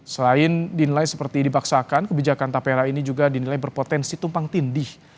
selain dinilai seperti dibaksakan kebijakan tapera ini juga dinilai berpotensi tumpang tindih